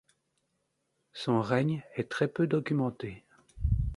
Son règne est très peu documenté.